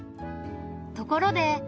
ところで。